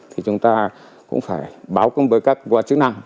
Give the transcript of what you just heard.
thì chúng ta cũng phải báo công với các cơ quan chức năng